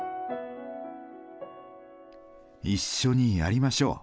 「一緒にやりましょう」。